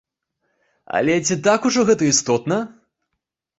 Але ці так ужо гэта істотна?